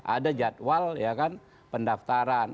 ada jadwal ya kan pendaftaran